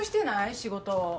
仕事。